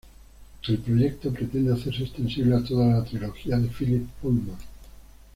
El proyecto pretende hacerse extensible a toda la trilogía de Philip Pullman.